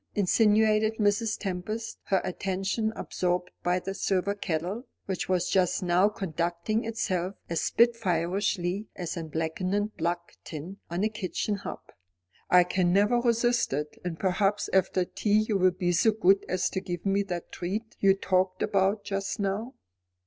insinuated Mrs. Tempest, her attention absorbed by the silver kettle, which was just now conducting itself as spitfireishly as any blackened block tin on a kitchen hob. "I can never resist it. And perhaps after tea you will be so good as to give me the treat you talked about just now."